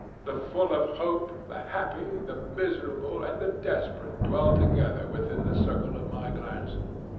The full of hope, the happy, the miserable and the desperate dwell together within the circle of my glance.